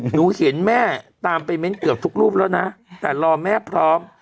หนูเห็นแม่ตามไปเม้นต์เกือบทุกรูปแล้วนะแต่รอแม่พร้อม